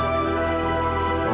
aku harus ke belakang